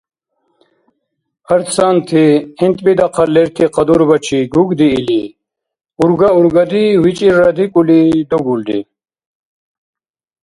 Арцанти, гӀинтӀби дахъал лерти кьадубачи гугдиили, урга-ургади вичӀирра дикӀули, дугулри.